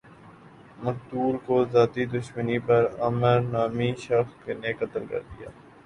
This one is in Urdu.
مقتول کو ذاتی دشمنی پر عامر نامی شخص نے قتل کردیا